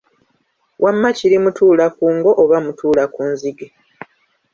Wamma kiri Mutuulakungo oba Mutuulakunzige.